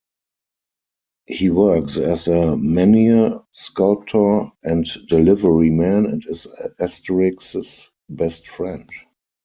He works as a menhir sculptor and deliveryman, and is Asterix's best friend.